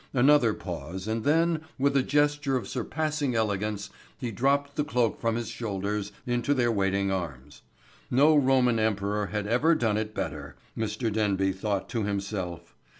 Another pause and then, with a gesture of surpassing elegance he dropped the cloak from his shoulders into their waiting arms. No Roman emperor had ever done it better, Mr. Denby thought to himself.